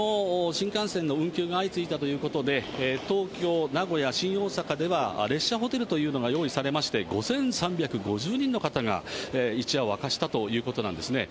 新幹線の運休が相次いだということで、東京、名古屋、新大阪では、列車ホテルというのが用意されまして、５３５０人の方が一夜を明かしたということなんですね。